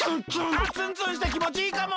あツンツンしてきもちいいかも。